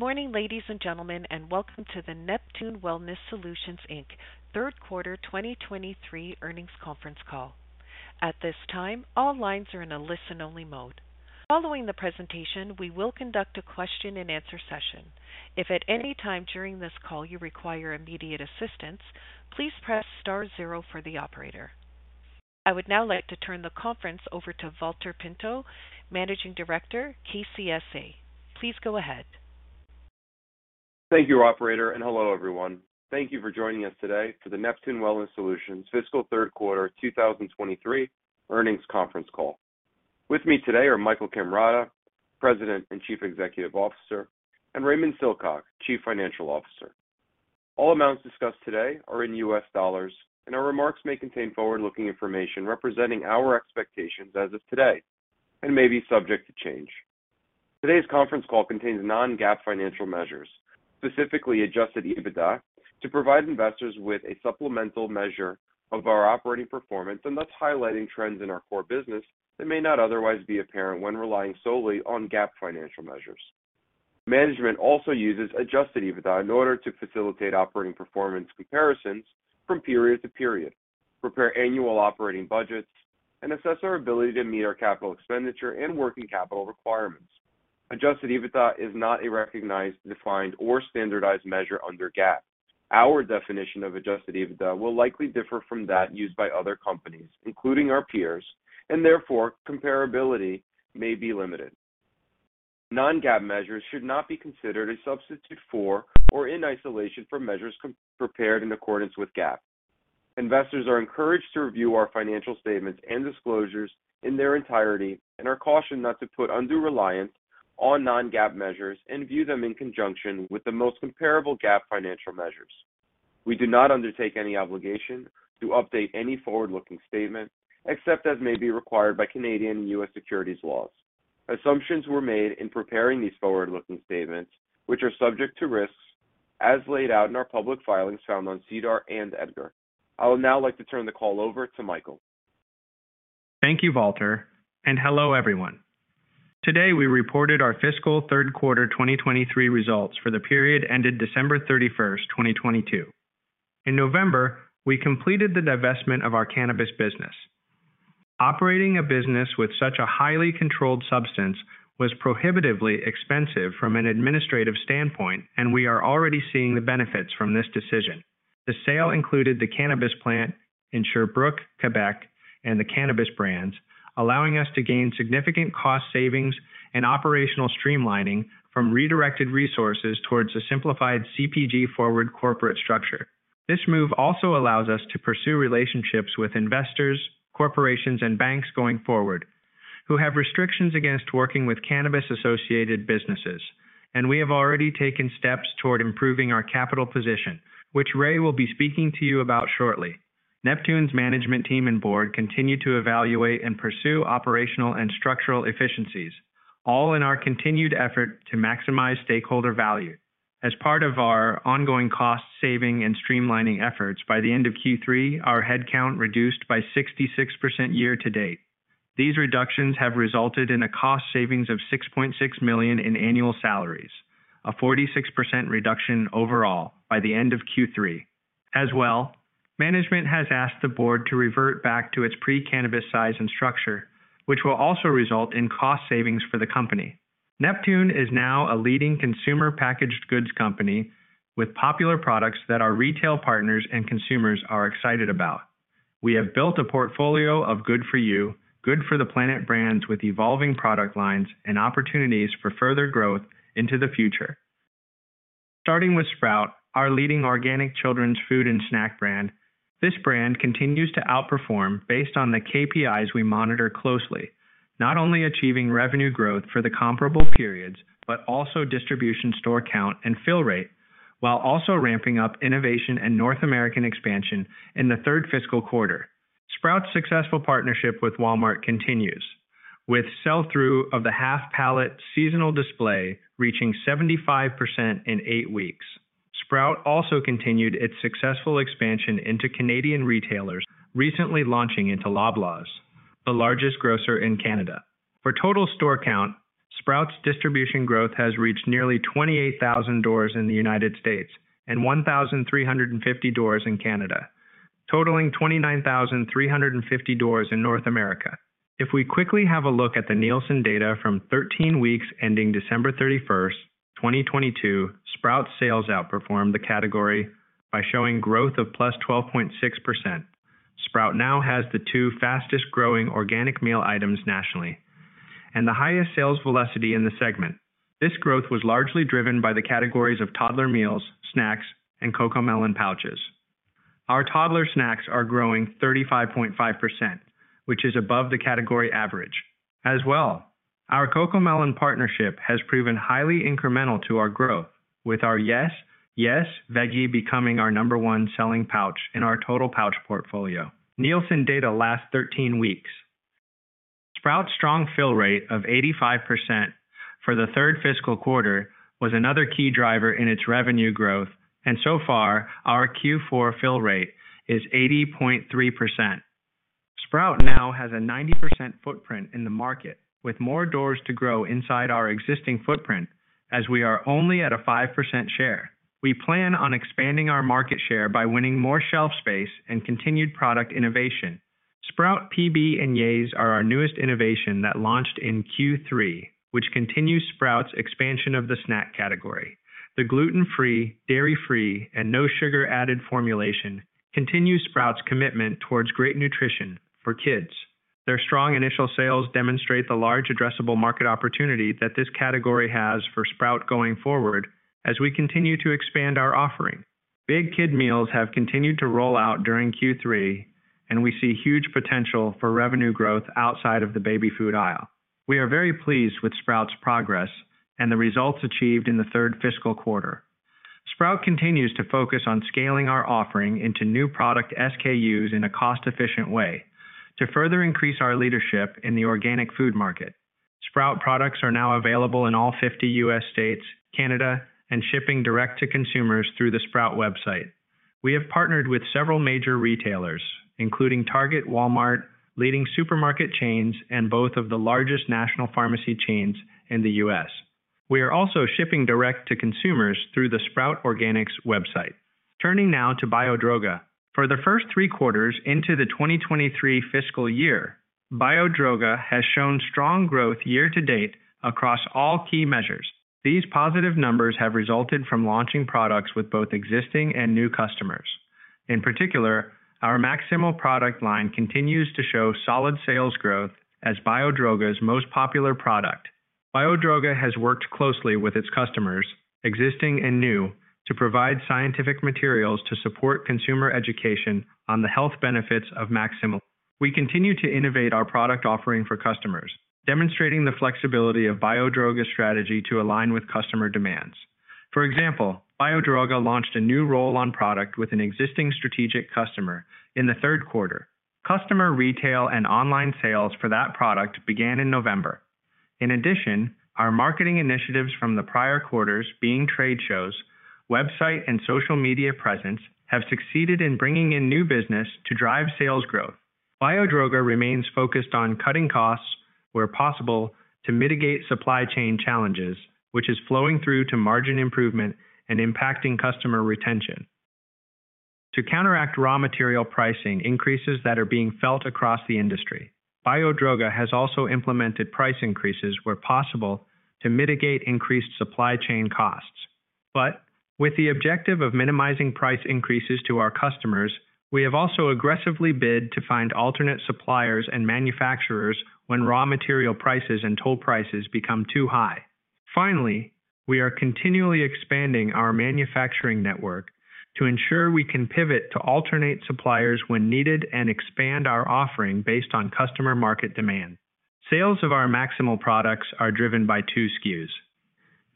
Good morning, ladies and gentlemen, and welcome to the Neptune Wellness Solutions Inc. Third Quarter 2023 Earnings Conference Call. At this time, all lines are in a listen-only mode. Following the presentation, we will conduct a Q&A session. If at any time during this call you require immediate assistance, please press star zero for the operator. I would now like to turn the conference over to Valter Pinto, Managing Director, KCSA. Please go ahead. Thank you, operator. Hello, everyone. Thank you for joining us today for the Neptune Wellness Solutions Fiscal Third Quarter 2023 Earnings Conference Call. With me today are Michael Cammarata, President and Chief Executive Officer, and Raymond Silcock, Chief Financial Officer. All amounts discussed today are in US dollars, and our remarks may contain forward-looking information representing our expectations as of today and may be subject to change. Today's conference call contains non-GAAP financial measures, specifically adjusted EBITDA, to provide investors with a supplemental measure of our operating performance and thus highlighting trends in our core business that may not otherwise be apparent when relying solely on GAAP financial measures. Management also uses adjusted EBITDA in order to facilitate operating performance comparisons from period to period, prepare annual operating budgets, and assess our ability to meet our capital expenditure and working capital requirements. Adjusted EBITDA is not a recognized, defined, or standardized measure under GAAP. Our definition of adjusted EBITDA will likely differ from that used by other companies, including our peers, and therefore comparability may be limited. Non-GAAP measures should not be considered a substitute for or in isolation for measures prepared in accordance with GAAP. Investors are encouraged to review our financial statements and disclosures in their entirety and are cautioned not to put undue reliance on non-GAAP measures and view them in conjunction with the most comparable GAAP financial measures. We do not undertake any obligation to update any forward-looking statement, except as may be required by Canadian and U.S. securities laws. Assumptions were made in preparing these forward-looking statements, which are subject to risks as laid out in our public filings found on SEDAR and EDGAR. I would now like to turn the call over to Michael. Thank you, Valter, and hello, everyone. Today, we reported our fiscal third quarter 2023 results for the period ended December 31st, 2022. In November, we completed the divestment of our cannabis business. Operating a business with such a highly controlled substance was prohibitively expensive from an administrative standpoint, and we are already seeing the benefits from this decision. The sale included the cannabis plant in Sherbrooke, Quebec, and the cannabis brands, allowing us to gain significant cost savings and operational streamlining from redirected resources towards a simplified CPG forward corporate structure. This move also allows us to pursue relationships with investors, corporations, and banks going forward who have restrictions against working with cannabis-associated businesses. We have already taken steps toward improving our capital position, which Ray will be speaking to you about shortly. Neptune's management team and board continue to evaluate and pursue operational and structural efficiencies, all in our continued effort to maximize stakeholder value. As part of our ongoing cost saving and streamlining efforts, by the end of Q3, our head count reduced by 66% year-to-date. These reductions have resulted in a cost savings of $6.6 million in annual salaries, a 46% reduction overall by the end of Q3. Management has asked the board to revert back to its pre-cannabis size and structure, which will also result in cost savings for the company. Neptune is now a leading consumer packaged goods company with popular products that our retail partners and consumers are excited about. We have built a portfolio of good for you, good for the planet brands with evolving product lines and opportunities for further growth into the future. Starting with Sprout, our leading organic children's food and snack brand, this brand continues to outperform based on the KPIs we monitor closely, not only achieving revenue growth for the comparable periods, but also distribution store count and fill rate, while also ramping up innovation and North American expansion in the third fiscal quarter. Sprout's successful partnership with Walmart continues, with sell-through of the half pallet seasonal display reaching 75% in eight weeks. Sprout also continued its successful expansion into Canadian retailers, recently launching into Loblaws, the largest grocer in Canada. For total store count, Sprout's distribution growth has reached nearly 28,000 doors in the United States and 1,350 doors in Canada, totaling 29,350 doors in North America. We quickly have a look at the NielsenIQ data data from 13 weeks ending December 31st, 2022, Sprout sales outperformed the category by showing growth of +12.6%. Sprout now has the two fastest-growing organic meal items nationally and the highest sales velocity in the segment. This growth was largely driven by the categories of toddler meals, snacks, and CoComelon pouches. Our toddler snacks are growing 35.5%, which is above the category average. Our CoComelon partnership has proven highly incremental to our growth with our Yes Yes Veggie becoming our number one selling pouch in our total pouch portfolio. NielsenIQ data last 13 weeks. Sprout's strong fill rate of 85% for the third fiscal quarter was another key driver in its revenue growth. So far, our Q4 fill rate is 80.3%. Sprout now has a 90% footprint in the market with more doors to grow inside our existing footprint, as we are only at a 5% share. We plan on expanding our market share by winning more shelf space and continued product innovation. Sprout PB & Yayz are our newest innovation that launched in Q3, which continues Sprout's expansion of the snack category. The gluten-free, dairy-free, and no sugar added formulation continues Sprout's commitment towards great nutrition for kids. Their strong initial sales demonstrate the large addressable market opportunity that this category has for Sprout going forward as we continue to expand our offering. Big Kid Meals have continued to roll out during Q3. We see huge potential for revenue growth outside of the baby food aisle. We are very pleased with Sprout's progress and the results achieved in the third fiscal quarter. Sprout continues to focus on scaling our offering into new product SKUs in a cost-efficient way to further increase our leadership in the organic food market. Sprout products are now available in all 50 United States, Canada, and shipping direct to consumers through the Sprout website. We have partnered with several major retailers, including Target, Walmart, leading supermarket chains, and both of the largest national pharmacy chains in the U.S. We are also shipping direct to consumers through the Sprout Organics website. Turning now to Biodroga. For the first three quarters into the 2023 fiscal year, Biodroga has shown strong growth year-to-date across all key measures. These positive numbers have resulted from launching products with both existing and new customers. In particular, our MaxSimil product line continues to show solid sales growth as Biodroga's most popular product. Biodroga has worked closely with its customers, existing and new, to provide scientific materials to support consumer education on the health benefits of MaxSimil. We continue to innovate our product offering for customers, demonstrating the flexibility of Biodroga's strategy to align with customer demands. For example, Biodroga launched a new roll-on product with an existing strategic customer in the third quarter. Customer retail and online sales for that product began in November. In addition, our marketing initiatives from the prior quarters, being trade shows, website, and social media presence, have succeeded in bringing in new business to drive sales growth. Biodroga remains focused on cutting costs where possible to mitigate supply chain challenges, which is flowing through to margin improvement and impacting customer retention. To counteract raw material pricing increases that are being felt across the industry, Biodroga has also implemented price increases where possible to mitigate increased supply chain costs. With the objective of minimizing price increases to our customers, we have also aggressively bid to find alternate suppliers and manufacturers when raw material prices and toll prices become too high. We are continually expanding our manufacturing network to ensure we can pivot to alternate suppliers when needed and expand our offering based on customer market demand. Sales of our MaxSimil products are driven by two SKUs,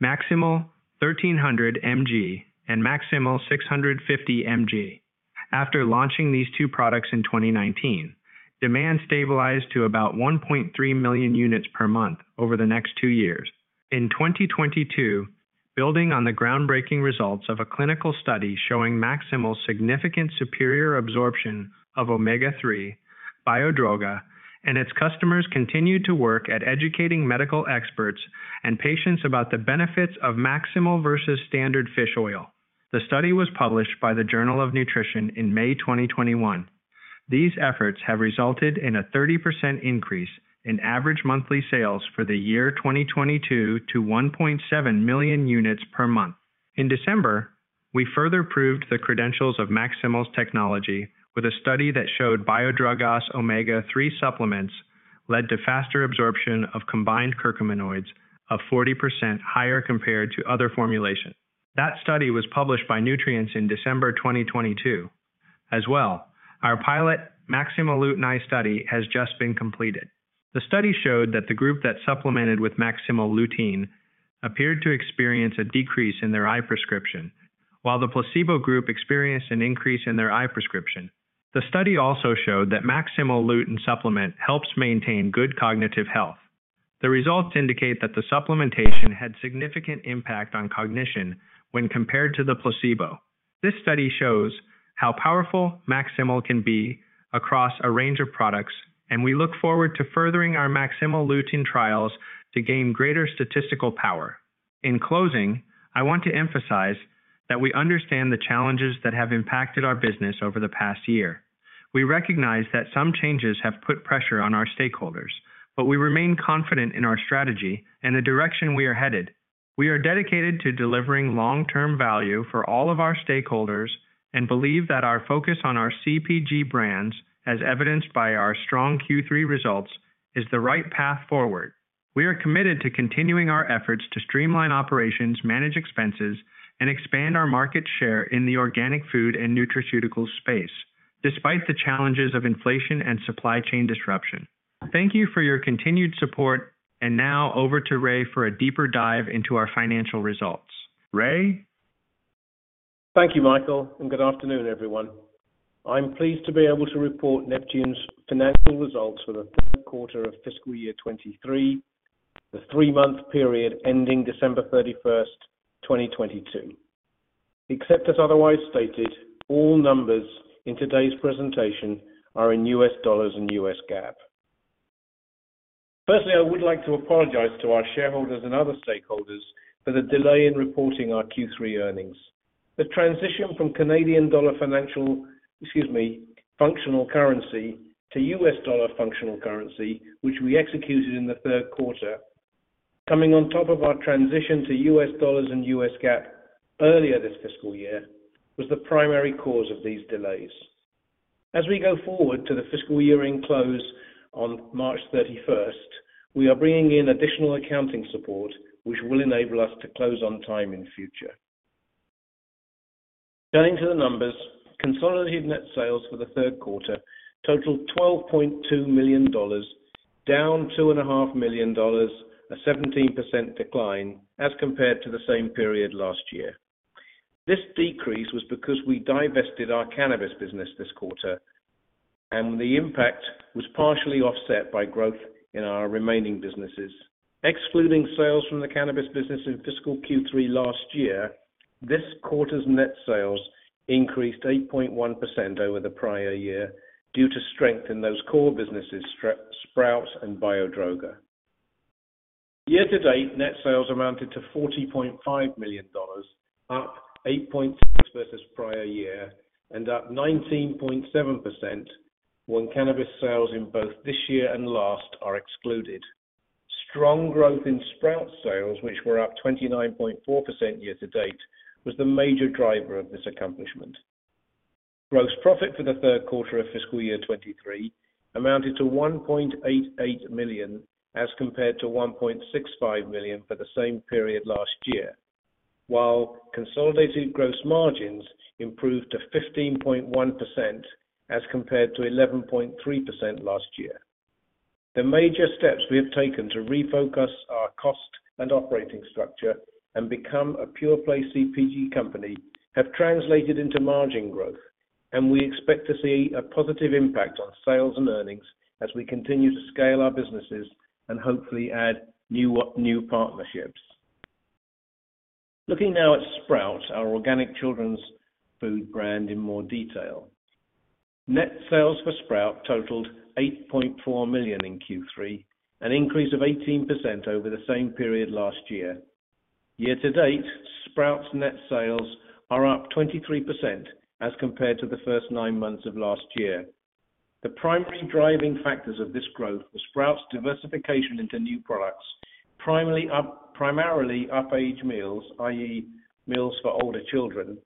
MaxSimil 1,300 mg and MaxSimil 650 mg. After launching these two products in 2019, demand stabilized to about 1.3 million units per month over the next two years. In 2022, building on the groundbreaking results of a clinical study showing MaxSimil's significant superior absorption of omega-3, Biodroga and its customers continued to work at educating medical experts and patients about the benefits of MaxSimil versus standard fish oil. The study was published by the Journal of Nutrition in May 2021. These efforts have resulted in a 30% increase in average monthly sales for the year 2022 to 1.7 million units per month. In December, we further proved the credentials of MaxSimil's technology with a study that showed Biodroga's omega-3 supplements led to faster absorption of combined curcuminoids of 40% higher compared to other formulations. That study was published by Nutrients in December 2022. As well, our pilot MaxSimil Lutein Eye Study has just been completed. The study showed that the group that supplemented with MaxSimil Lutein appeared to experience a decrease in their eye prescription, while the placebo group experienced an increase in their eye prescription. The study also showed that MaxSimil Lutein supplement helps maintain good cognitive health. The results indicate that the supplementation had significant impact on cognition when compared to the placebo. This study shows how powerful MaxSimil can be across a range of products, and we look forward to furthering our MaxSimil Lutein trials to gain greater statistical power. In closing, I want to emphasize that we understand the challenges that have impacted our business over the past year. We recognize that some changes have put pressure on our stakeholders, but we remain confident in our strategy and the direction we are headed. We are dedicated to delivering long-term value for all of our stakeholders and believe that our focus on our CPG brands, as evidenced by our strong Q3 results, is the right path forward. We are committed to continuing our efforts to streamline operations, manage expenses, and expand our market share in the organic food and nutraceutical space despite the challenges of inflation and supply chain disruption. Thank you for your continued support. Now over to Ray for a deeper dive into our financial results. Ray? Thank you, Michael. Good afternoon, everyone. I'm pleased to be able to report Neptune's financial results for the third quarter of fiscal year 2023, the three-month period ending December 31st, 2022. Except as otherwise stated, all numbers in today's presentation are in US dollars and US GAAP. Firstly, I would like to apologize to our shareholders and other stakeholders for the delay in reporting our Q3 earnings. The transition from Canadian dollar financial, excuse me, functional currency to US dollar functional currency, which we executed in the third quarter, coming on top of our transition to US dollars and US GAAP earlier this fiscal year, was the primary cause of these delays. As we go forward to the fiscal year-end close on March 31st, we are bringing in additional accounting support, which will enable us to close on time in future. Turning to the numbers, consolidated net sales for the third quarter totaled $12.2 million, down two and half million dollars, a 17% decline as compared to the same period last year. The decrease was because we divested our cannabis business this quarter, and the impact was partially offset by growth in our remaining businesses. Excluding sales from the cannabis business in fiscal Q3 last year, this quarter's net sales increased 8.1% over the prior year due to strength in those core businesses, Sprout and Biodroga. Year-to-date, net sales amounted to $40.5 million, up 8.6% versus prior year and up 19.7% when cannabis sales in both this year and last are excluded. Strong growth in Sprout sales, which were up 29.4% year-to-date, was the major driver of this accomplishment. Gross profit for the third quarter of fiscal year 2023 amounted to $1.88 million as compared to $1.65 million for the same period last year, while consolidated gross margins improved to 15.1% as compared to 11.3% last year. The major steps we have taken to refocus our cost and operating structure and become a pure-play CPG company have translated into margin growth, we expect to see a positive impact on sales and earnings as we continue to scale our businesses and hopefully add new partnerships. Looking now at Sprout, our organic children's food brand, in more detail. Net sales for Sprout totaled $8.4 million in Q3, an increase of 18% over the same period last year. Year-to-date, Sprout's net sales are up 23% as compared to the first nine months of last year. The primary driving factors of this growth were Sprout's diversification into new products, primarily up age meals, i.e. meals for older children;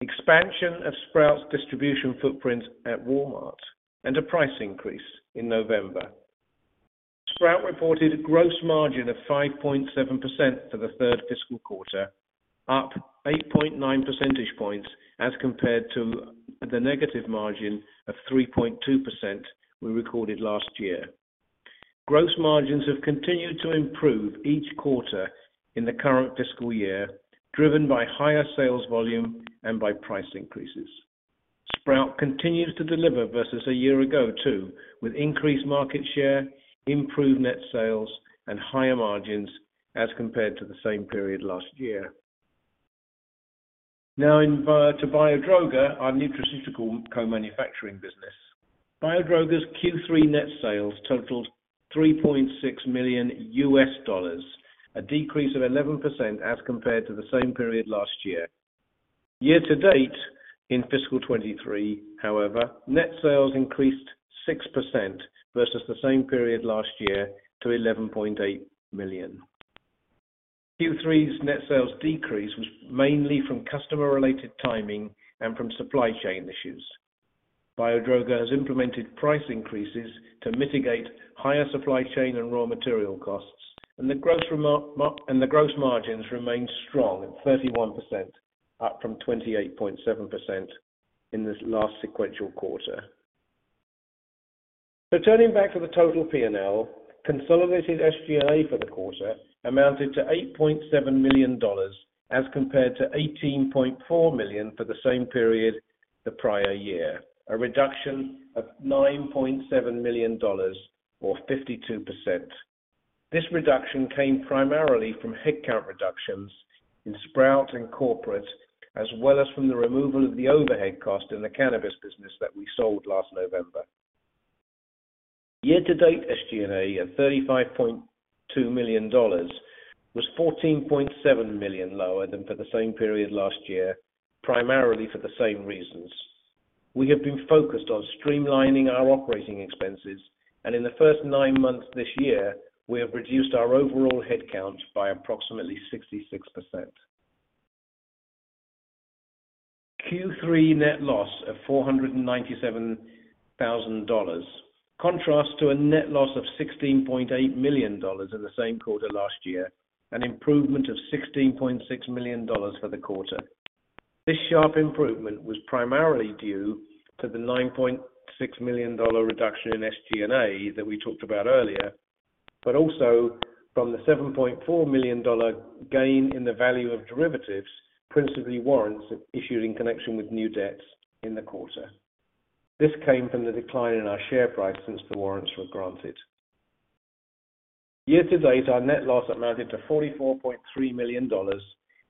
expansion of Sprout's distribution footprint at Walmart; and a price increase in November. Sprout reported a gross margin of 5.7% for the third fiscal quarter, up 8.9 percentage points as compared to the negative margin of 3.2% we recorded last year. Gross margins have continued to improve each quarter in the current fiscal year, driven by higher sales volume and by price increases. Sprout continues to deliver versus a year ago, too, with increased market share, improved net sales, and higher margins as compared to the same period last year. Now to Biodroga, our nutraceutical co-manufacturing business. Biodroga's Q3 net sales totaled $3.6 million, a decrease of 11% as compared to the same period last year. Year-to-date in fiscal 2023, however, net sales increased 6% versus the same period last year to $11.8 million. Q3's net sales decrease was mainly from customer-related timing and from supply chain issues. Biodroga has implemented price increases to mitigate higher supply chain and raw material costs, and the gross margins remain strong at 31%, up from 28.7% in this last sequential quarter. Turning back to the total P&L, consolidated SG&A for the quarter amounted to $8.7 million as compared to $18.4 million for the same period the prior year, a reduction of $9.7 million or 52%. This reduction came primarily from headcount reductions in Sprout and corporate, as well as from the removal of the overhead cost in the cannabis business that we sold last November. Year-to-date, SG&A of $35.2 million was $14.7 million lower than for the same period last year, primarily for the same reasons. We have been focused on streamlining our operating expenses, and in the nine months this year, we have reduced our overall headcount by approximately 66%. Q3 net loss of $497,000 contrasts to a net loss of $16.8 million in the same quarter last year, an improvement of $16.6 million for the quarter. This sharp improvement was primarily due to the $9.6 million reduction in SG&A that we talked about earlier, but also from the $7.4 million gain in the value of derivatives, principally warrants issued in connection with new debts in the quarter. This came from the decline in our share price since the warrants were granted. Year-to-date, our net loss amounted to $44.3 million,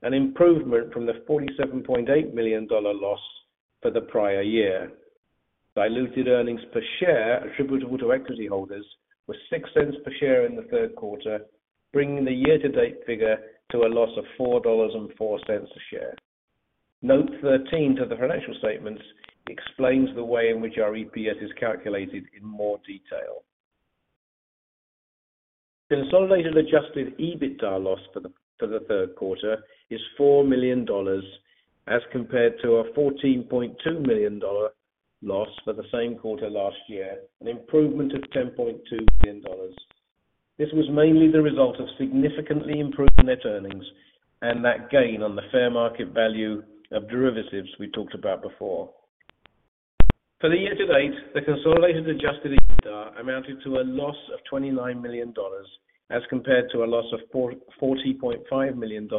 an improvement from the $47.8 million loss for the prior year. Diluted earnings per share attributable to equity holders was $0.06 per share in the third quarter, bringing the year-to-date figure to a loss of $4.04 a share. Note 13 to the financial statements explains the way in which our EPS is calculated in more detail. Consolidated adjusted EBITDA loss for the third quarter is $4 million as compared to a $14.2 million loss for the same quarter last year, an improvement of $10.2 million. This was mainly the result of significantly improving net earnings and that gain on the fair market value of derivatives we talked about before. For the year-to-date, the consolidated adjusted EBITDA amounted to a loss of $29 million as compared to a loss of $440.5 million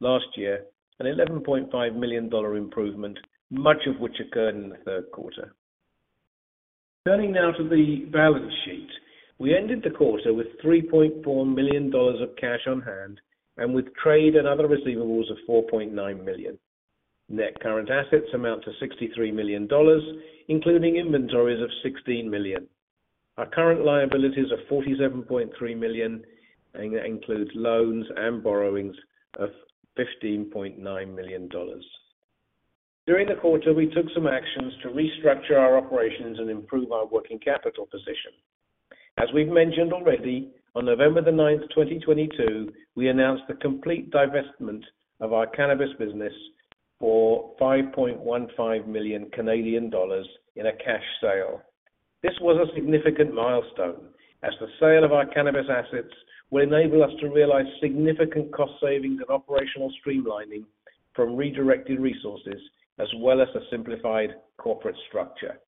last year, an $11.5 million improvement, much of which occurred in the third quarter. Turning now to the balance sheet. We ended the quarter with $3.4 million of cash on hand and with trade and other receivables of $4.9 million. Net current assets amount to $63 million, including inventories of $16 million. Our current liabilities are $47.3 million, and that includes loans and borrowings of $15.9 million. During the quarter, we took some actions to restructure our operations and improve our working capital position. As we've mentioned already, on November the 9th, 2022, we announced the complete divestment of our cannabis business for 5.15 million Canadian dollars in a cash sale. This was a significant milestone as the sale of our cannabis assets will enable us to realize significant cost savings and operational streamlining from redirected resources as well as a simplified corporate structure.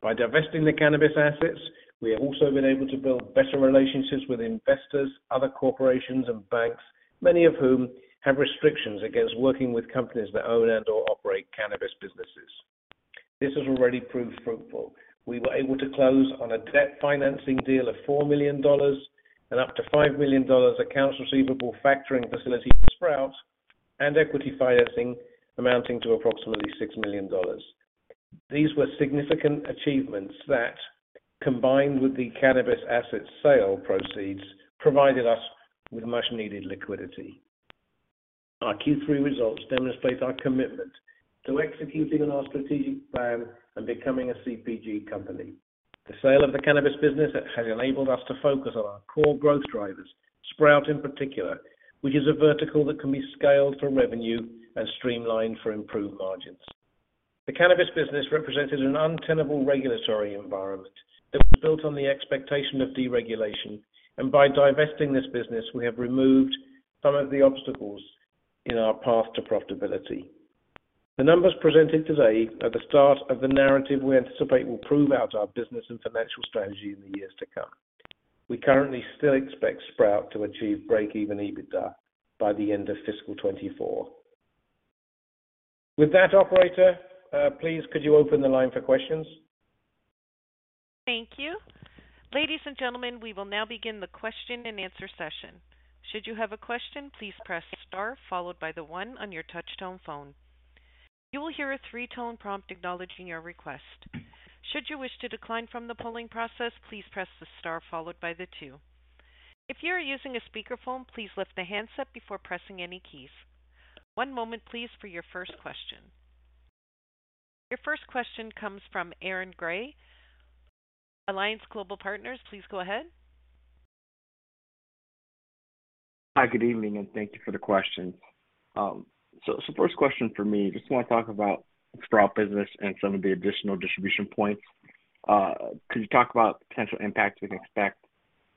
By divesting the cannabis assets, we have also been able to build better relationships with investors, other corporations and banks, many of whom have restrictions against working with companies that own and or operate cannabis businesses. This has already proved fruitful. We were able to close on a debt financing deal of 4 million dollars and up to 5 million dollars accounts receivable factoring facility with Sprout and equity financing amounting to approximately 6 million dollars. These were significant achievements that, combined with the cannabis asset sale proceeds, provided us with much needed liquidity. Our Q3 results demonstrate our commitment to executing on our strategic plan and becoming a CPG company. The sale of the cannabis business has enabled us to focus on our core growth drivers, Sprout in particular, which is a vertical that can be scaled for revenue and streamlined for improved margins. The cannabis business represented an untenable regulatory environment that was built on the expectation of deregulation. By divesting this business, we have removed some of the obstacles in our path to profitability. The numbers presented today are the start of the narrative we anticipate will prove out our business and financial strategy in the years to come. We currently still expect Sprout to achieve break-even EBITDA by the end of fiscal 2024. With that, operator, please could you open the line for questions? Thank you. Ladies and gentlemen, we will now begin the Q&A session. Should you have a question, please press star followed by the one on your touchtone phone. You will hear a three-tone prompt acknowledging your request. Should you wish to decline from the polling process, please press the star followed by the two. If you are using a speakerphone, please lift the handset before pressing any keys. One moment please for your first question. Your first question comes from Aaron Grey, Alliance Global Partners, please go ahead. Hi, good evening and thank you for the question. First question for me, just want to talk about Sprout business and some of the additional distribution points. Could you talk about potential impacts we can expect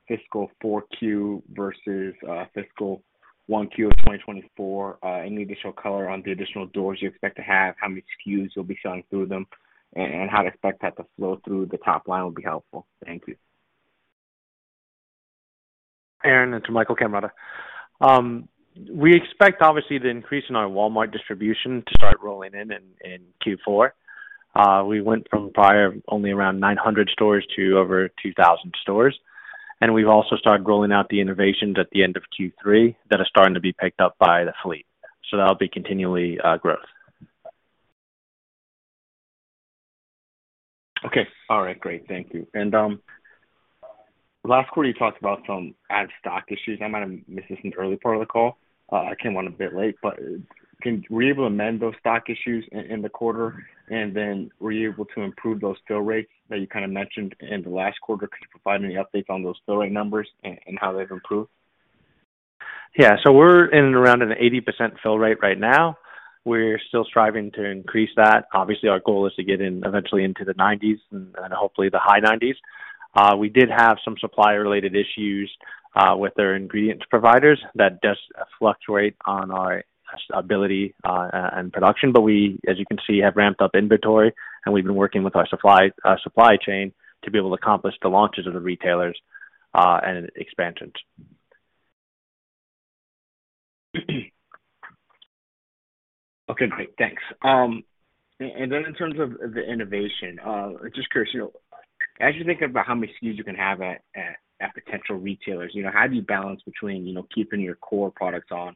fiscal Q4 versus fiscal Q1 of 2024? Any additional color on the additional doors you expect to have, how many SKUs you'll be selling through them, and how to expect that to flow through the top line would be helpful. Thank you. Aaron, it's Michael Cammarata. We expect obviously the increase in our Walmart distribution to start rolling in Q4. We went from prior only around 900 stores to over 2,000 stores. We've also started rolling out the innovations at the end of Q3 that are starting to be picked up by the fleet. That'll be continually growth. Okay. All right, great. Thank you. Last quarter, you talked about some out of stock issues. I might have missed this in the early part of the call. I came on a bit late, but were you able to amend those stock issues in the quarter? Were you able to improve those fill rates that you kind of mentioned in the last quarter? Could you provide any updates on those fill rate numbers and how they've improved? Yeah. We're in around an 80% fill rate right now. We're still striving to increase that. Obviously, our goal is to get in eventually into the 90s and hopefully the high 90s. We did have some supplier related issues with their ingredients providers that does fluctuate on our stability and production. We, as you can see, have ramped up inventory and we've been working with our supply supply chain to be able to accomplish the launches of the retailers and expansions. Okay, great. Thanks. In terms of the innovation, just curious, you know, as you think about how many SKUs you can have at potential retailers, you know, how do you balance between, you know, keeping your core products on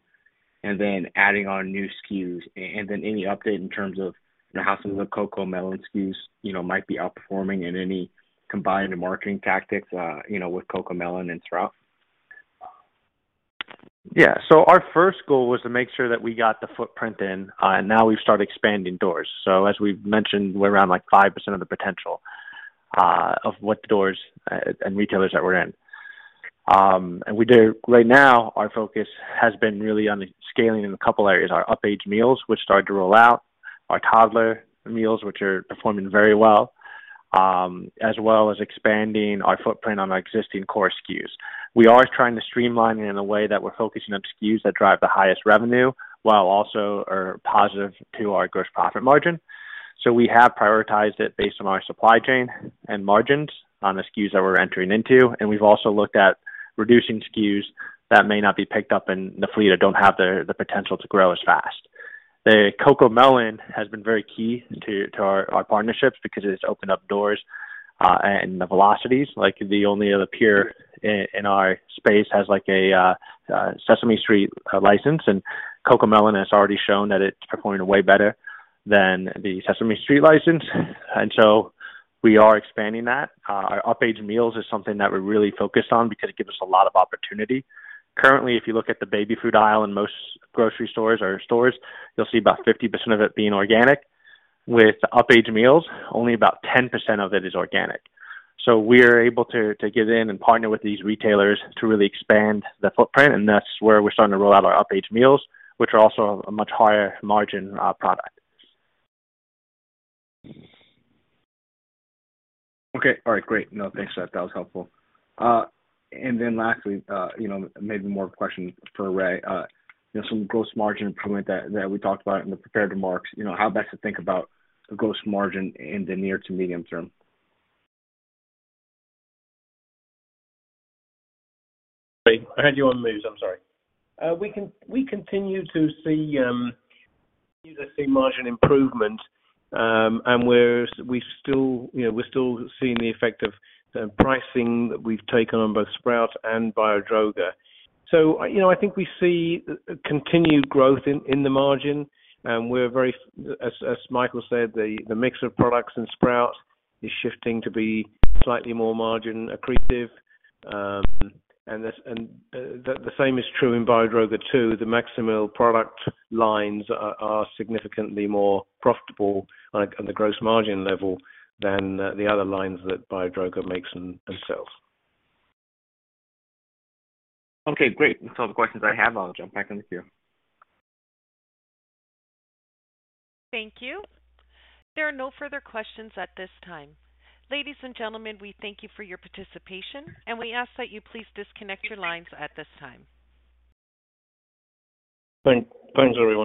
and then adding on new SKUs? Any update in terms of how some of the CoComelon SKUs, you know, might be outperforming and any combined marketing tactics, you know, with CoComelon and Sprout? Yeah. Our first goal was to make sure that we got the footprint in, and now we've started expanding doors. As we've mentioned, we're around like 5% of the potential of what the doors and retailers that we're in. Right now, our focus has been really on the scaling in a couple areas. Our up-age meals, which started to roll out, our toddler meals, which are performing very well, as well as expanding our footprint on our existing core SKUs. We are trying to streamline it in a way that we're focusing on SKUs that drive the highest revenue while also are positive to our gross profit margin. We have prioritized it based on our supply chain and margins on the SKUs that we're entering into. We've also looked at reducing SKUs that may not be picked up in the fleet or don't have the potential to grow as fast. The CoComelon has been very key to our partnerships because it has opened up doors, and the velocities, like the only other peer in our space has like a Sesame Street license, and CoComelon has already shown that it's performing way better than the Sesame Street license. We are expanding that. Our up-age meals is something that we're really focused on because it gives us a lot of opportunity. Currently, if you look at the baby food aisle in most grocery stores or stores, you'll see about 50% of it being organic. With up-age meals, only about 10% of it is organic. We're able to get in and partner with these retailers to really expand the footprint, and that's where we're starting to roll out our up-age meals, which are also a much higher margin product. Okay. All right. Great. No, thanks. That was helpful. Lastly, you know, maybe more question for Ray, you know, some gross margin improvement that we talked about in the prepared remarks, you know, how best to think about gross margin in the near to medium term? I had you on mute. I'm sorry. We continue to see margin improvement, and we still, you know, we're still seeing the effect of pricing that we've taken on both Sprout and Biodroga. You know, I think we see continued growth in the margin, and we're very. As Michael said, the mix of products in Sprout is shifting to be slightly more margin accretive. The same is true in Biodroga, too. The MaxSimil product lines are significantly more profitable, like at the gross margin level than the other lines that Biodroga makes and sells. Okay, great. That's all the questions I have. I'll jump back in the queue. Thank you. There are no further questions at this time. Ladies and gentlemen, we thank you for your participation, and we ask that you please disconnect your lines at this time. Thanks, everyone.